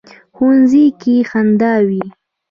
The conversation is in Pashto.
ښوونځی کې خندا وي